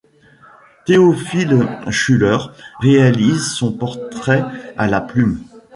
Théophile Schuler réalise son portrait à la plume.